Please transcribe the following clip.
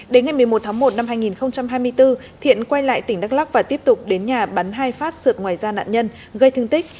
đến ngày một mươi một tháng một năm hai nghìn hai mươi bốn thiện quay lại tỉnh đắk lắc và tiếp tục đến nhà bắn hai phát sượt ngoài da nạn nhân gây thương tích